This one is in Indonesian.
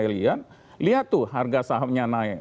lihat tuh harga sahamnya naik